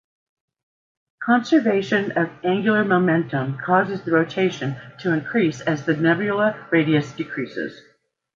Conservation of angular momentum causes the rotation to increase as the nebula radius decreases.